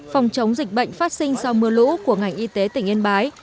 phòng chống dịch bệnh phát sinh sau mưa lũ của ngành y tế tỉnh yên bái